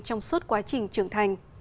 trong suốt quá trình trưởng thành